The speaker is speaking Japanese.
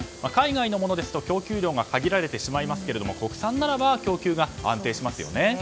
海外のものですと供給量が限られてしまいますが国産ならば供給が安定しますね。